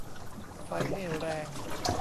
ไฟให้แรง